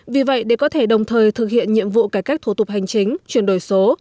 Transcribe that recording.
vì vậy để có thể đồng thời thực hiện nhiệm vụ cải cách thủ tục hành chính chuyển đổi số